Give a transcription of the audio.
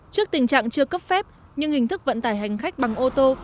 trước tình trạng chưa cấp phép nhưng hình thức vận tải hành khách bằng ô tô